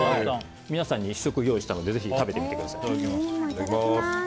皆さんに試食を用意したのでぜひ食べてみてください。